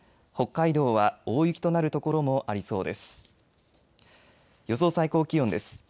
北海道は大雪となる所もありそうです。